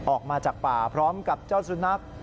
ออกมาจากป่าพร้อมกับเจ้าสุนัข